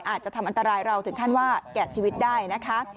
อาจจะทำอันตรายเราถึงขั้นว่าแก่ชีวิตได้นะคะ